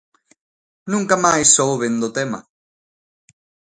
Nunca máis souben do tema.